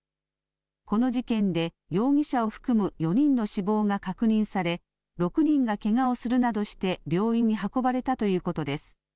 この事件で、容疑者を含む４人の死亡が確認され、６人がけがをするなどして病院に運ばれたということです。